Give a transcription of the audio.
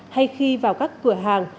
hay khi vào các cửa hàng